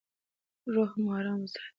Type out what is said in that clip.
روح مو ارام وساتئ.